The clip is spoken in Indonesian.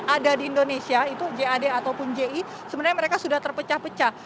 ada di indonesia itu jad ataupun ji sebenarnya mereka sudah terpecah pecah